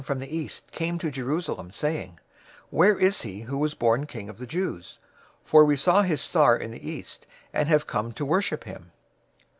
} from the east came to Jerusalem, saying, 002:002 "Where is he who is born King of the Jews? For we saw his star in the east, and have come to worship him."